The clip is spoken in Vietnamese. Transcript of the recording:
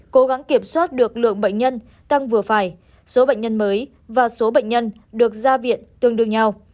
cố gắng kiểm soát được lượng bệnh nhân tăng vừa phải số bệnh nhân mới và số bệnh nhân được ra viện tương đương nhau